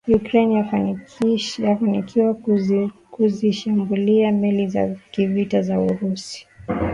Ukraine yafanikiwa kuzishambulia meli za kivita za Urusi